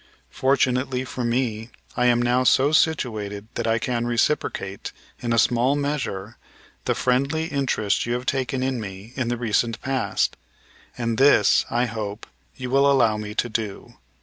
Fortunately for me I am now so situated that I can reciprocate, in a small measure, the friendly interest you have taken in me in the recent past; and this, I hope, you will allow me to do.